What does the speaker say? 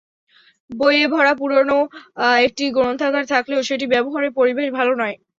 বইয়ে ভরা পুরোনো একটি গ্রন্থাগার থাকলেও সেটি ব্যবহারের পরিবেশ ভালো নয়।